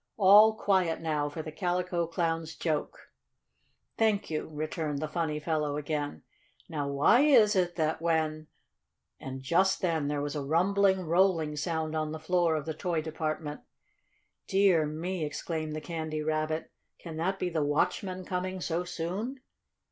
All quiet now, for the Calico Clown's joke!" "Thank you," returned the funny fellow again. "Now, why is it that when " And just then there was a rumbling, rolling sound on the floor of the toy department. "Dear me!" exclaimed the Candy Rabbit, "can that be the watchman coming so soon?"